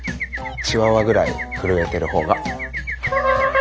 チワワぐらい震えてるほうが。